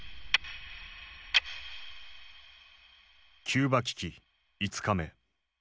キューバ危機５日目。